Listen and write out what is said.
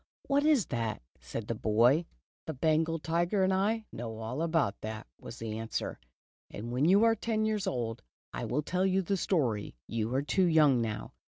"What is that?" said the boy. "The Bengal tiger and I know all about that," was the answer, "and when you are ten years old, I will tell you the story. You are too young now."